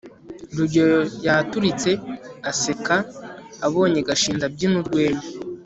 rugeyo yaturitse aseka abonye gashinzi abyina urwenya